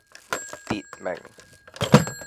佚名